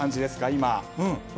今。